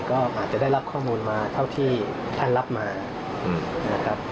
ก็อาจจะได้รับข้อมูลมาเท่าที่ท่านรับมานะครับ